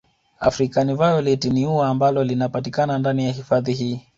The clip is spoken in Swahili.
African violet ni ua ambalo linapatikana ndani ya hifadhi hii